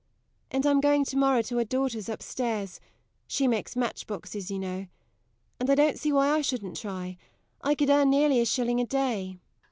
And I'm going to morrow to her daughter's upstairs she makes matchboxes, you know and I don't see why I shouldn't try I could earn nearly a shilling a day.